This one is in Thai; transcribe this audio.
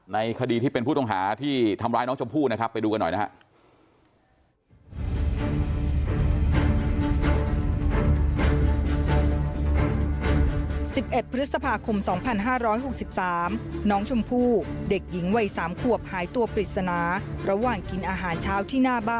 ในคดีที่เป็นผู้ต้องหาที่ทำร้ายน้องชมพู่นะครับ